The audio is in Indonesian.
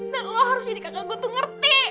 nah lo harus jadi kakak gue tuh ngerti